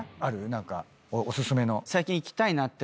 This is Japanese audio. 何かお薦めの。